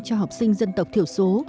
cho học sinh dân tộc thiểu số